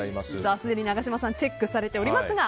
すでに永島さんがチェックされておりますが。